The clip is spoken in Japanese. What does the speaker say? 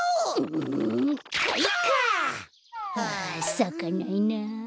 さかないな。